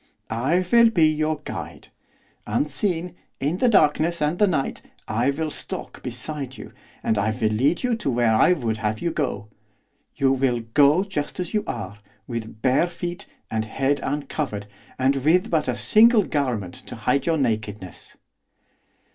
I will be your guide. Unseen, in the darkness and the night, I will stalk beside you, and will lead you to where I would have you go. You will go just as you are, with bare feet, and head uncovered, and with but a single garment to hide your nakedness.